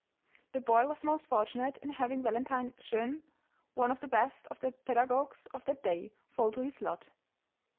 The bov was most fortunate in having Valentine Jeune, one of the best of the pedagogues of that day, fall to his lot.